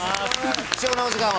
貴重なお時間を。